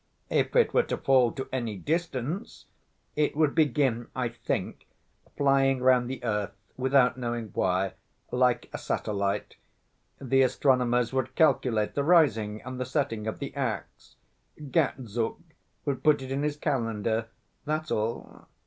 _ If it were to fall to any distance, it would begin, I think, flying round the earth without knowing why, like a satellite. The astronomers would calculate the rising and the setting of the ax, Gatzuk would put it in his calendar, that's all."